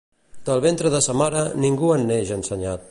Del ventre de sa mare, ningú en neix ensenyat.